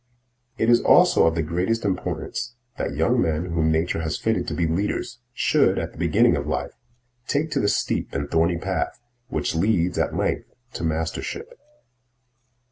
It is also of the greatest importance that young men whom nature has fitted to be leaders should, at the beginning of life, take to the steep and thorny path which leads at length to mastership.